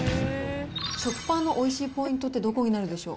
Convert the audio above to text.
食パンのおいしいポイントってどこになるでしょう？